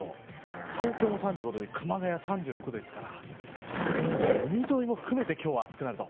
東京も３５度で熊谷３６度ですからもう海沿いも含めて今日は暑くなると。